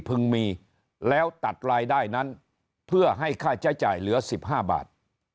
มีแล้วตัดรายได้นั้นเพื่อให้ค่าใช้จ่ายเหลือ๑๕บาท